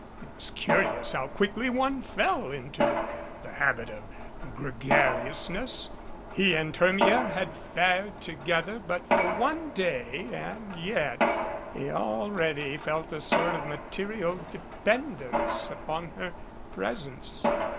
It was curious how quickly one fell into the habit of gregariousness. He and Hermia had fared together but for one day, and yet he already felt a sort of material dependence upon her presence.